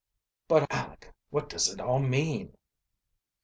"But, oh, Aleck, what does it all mean?"